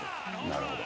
なるほど。